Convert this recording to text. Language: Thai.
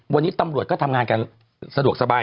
วันนี้ตำรวจก็ทำงานกันสะดวกสบาย